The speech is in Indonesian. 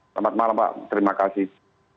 selamat malam pak terima kasih